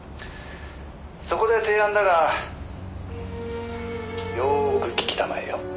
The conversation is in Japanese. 「そこで提案だがよく聞きたまえよ」